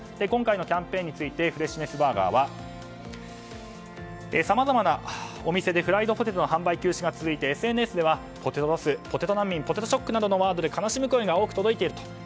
今回のキャンペーンについてフレッシュネスバーガーはさまざまなお店でフライドポテトの販売休止が続いてＳＮＳではポテトロスポテト難民ポテトショックなどのワードで悲しむ声が多く届いていると。